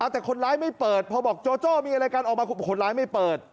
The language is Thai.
แต่คนร้ายไม่เปิดพอบอกโจโจ้มีอะไรกันออกมาคนร้ายไม่เปิด